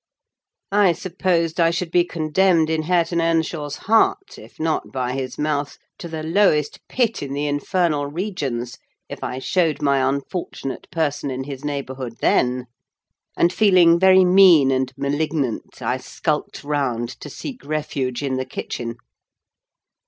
I supposed I should be condemned in Hareton Earnshaw's heart, if not by his mouth, to the lowest pit in the infernal regions if I showed my unfortunate person in his neighbourhood then; and feeling very mean and malignant, I skulked round to seek refuge in the kitchen.